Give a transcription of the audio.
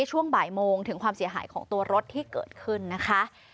ช่วงบ่ายโมงถึงความเสียหายของตัวรถที่เกิดขึ้นนะคะ